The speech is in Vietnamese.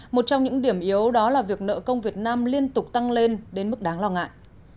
một trong những điểm yếu đó là việc nợ công việt nam liên tục tăng lên đến mức đáng lo ngại